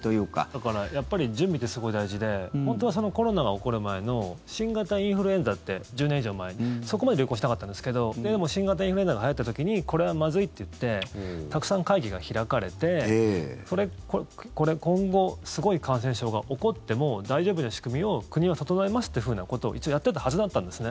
だから、やっぱり準備ってすごい大事で本当はコロナが起こる前の新型インフルエンザって１０年以上前そこまで流行しなかったんですがでも新型インフルエンザがはやった時にこれはまずいって言ってたくさん会議が開かれて今後、すごい感染症が起こっても大丈夫な仕組みを国を整えますというふうなことを一応やってたはずだったんです。